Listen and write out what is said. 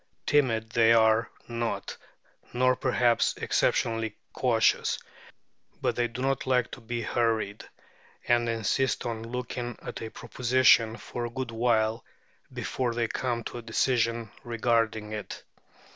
Timid they are not, nor, perhaps, exceptionally cautious, but they do not like to be hurried, and insist on looking at a proposition for a good while before they come to a decision regarding it.